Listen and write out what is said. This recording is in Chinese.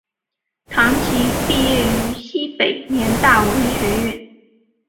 唐祈毕业于西北联大文学院。